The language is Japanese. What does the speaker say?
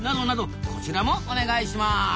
こちらもお願いします！